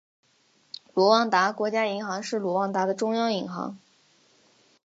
卢旺达国家银行是卢旺达的中央银行。